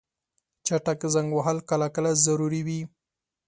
چټک زنګ وهل کله کله ضروري وي.